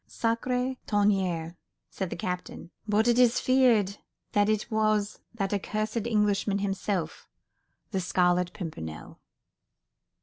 "Sacré tonnerre," said the captain, "but it is feared that it was that accursed Englishman himself—the Scarlet Pimpernel."